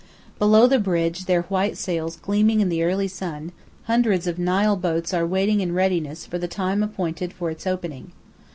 Below the bridge, their white sails gleaming in the early sun, hundreds of Nile boats are waiting in readiness for the time appointed for its opening.